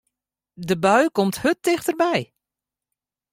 De bui komt hurd tichterby.